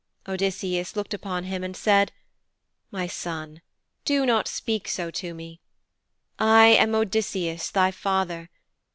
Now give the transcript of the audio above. Odysseus looked upon him and said. 'My son, do not speak so to me. I am Odysseus, thy father.